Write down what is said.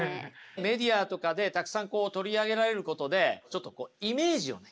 メディアとかでたくさんこう取り上げられることでちょっとイメージをね